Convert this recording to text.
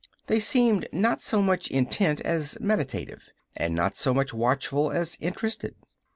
They seemed not so much intent as meditative, and not so much watchful as interested.